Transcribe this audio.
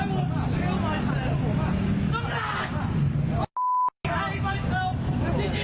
กลับมารับทราบ